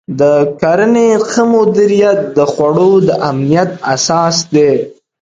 د کرنې ښه مدیریت د خوړو د امنیت اساس دی.